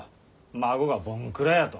孫がぼんくらやと。